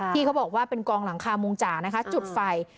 ที่เขาบอกว่าเป็นกองหลังคามุงจ่านะคะจุดไฟ